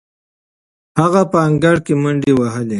هغه په انګړ کې منډې وهلې.